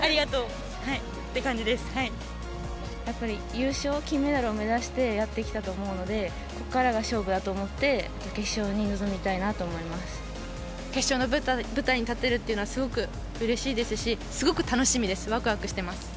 やっぱり、優勝、金メダルを目指してやってきたと思うので、ここからが勝負だと思って、決勝の舞台に立てるっていうのは、すごくうれしいですし、すごく楽しみです。